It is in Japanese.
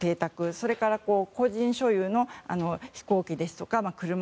それから個人所有の飛行機や車。